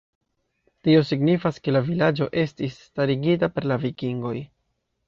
Tio signifas ke la vilaĝo estis starigitaj per la vikingoj.